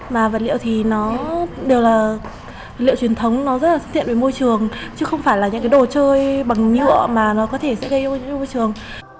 mà vật liệu thì đều là liệu truyền thống nó rất là xứng thiện với môi trường chứ không phải là những đồ chơi bằng nhựa mà nó có thể sẽ gây môi trường